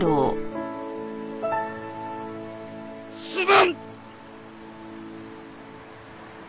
すまん！